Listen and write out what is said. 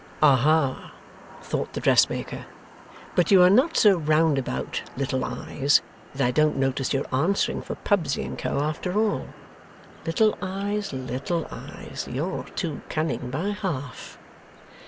'Aha!' thought the dressmaker. 'But you are not so roundabout, Little Eyes, that I don't notice your answering for Pubsey and Co. after all! Little Eyes, Little Eyes, you're too cunning by half.